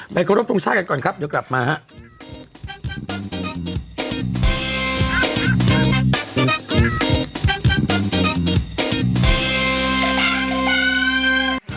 ขอรบทรงชาติกันก่อนครับเดี๋ยวกลับมาครับ